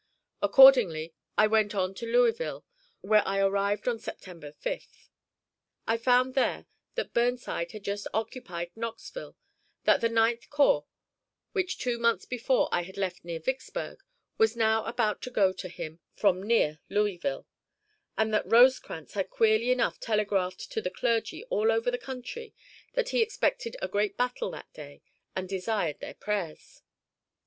Accordingly I went on to Louisville, where I arrived on September 5th. I found there that Burnside had just occupied Knoxville; that the Ninth Corps, which two months before I had left near Vicksburg, was now about to go to him from near Louisville; and that Rosecrans had queerly enough telegraphed to the clergy all over the country that he expected a great battle that day and desired their prayers.